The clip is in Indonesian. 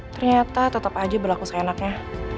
ternyata tetap aja berlaku seenaknya